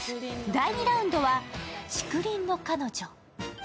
第２ラウンドは、「竹林の彼女」